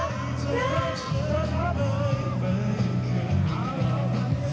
ภาพที่คุณผู้ชมเห็นอยู่นี้นะคะบรรยากาศหน้าเวทีตอนนี้เริ่มมีผู้แทนจำหน่ายไปจับจองพื้นที่